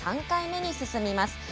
３回目に進みます。